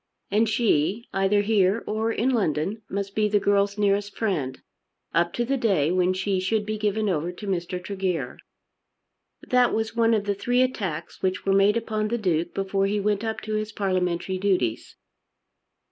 And she, either here or in London, must be the girl's nearest friend up to the day when she should be given over to Mr. Tregear. That was one of the three attacks which were made upon the Duke before he went up to his parliamentary duties.